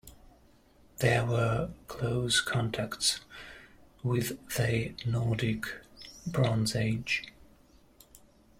There were close contacts with the Nordic Bronze Age.